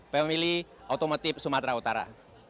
pemilih otomotif sumatera utara